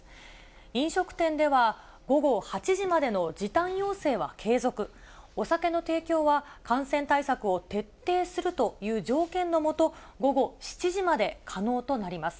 飲食店では、午後８時までの時短要請は継続、お酒の提供は感染対策を徹底するという条件の下、午後７時まで可能となります。